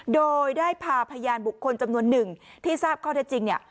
โดยได้พาพยานบุคคลจำนวนหนึ่งที่ทราบข้อเท็จจริงเนี่ย